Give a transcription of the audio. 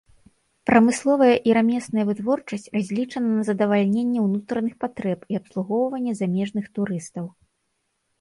Прамысловая і рамесная вытворчасць разлічана на задавальненне ўнутраных патрэб і абслугоўванне замежных турыстаў.